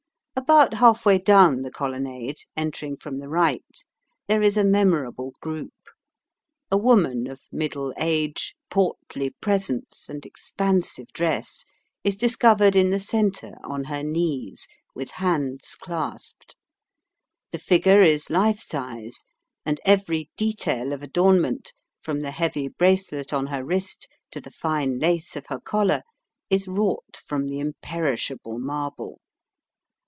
About half way down the colonnade, entering from the right, there is a memorable group. A woman of middle age, portly presence and expansive dress, is discovered in the centre on her knees, with hands clasped. The figure is life size and every detail of adornment, from the heavy bracelet on her wrist to the fine lace of her collar, is wrought from the imperishable marble.